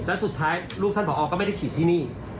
แล้วสุดท้ายลูกท่านผอก็ไม่ได้ฉีดที่นี่